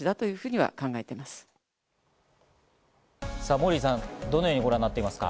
モーリーさん、どのようにご覧になっていますか？